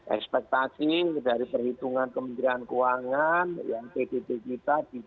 ekspektasi dari perhitungan kementerian keuangan yang pdb kita di q tiga